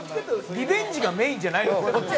リベンジがメインじゃない。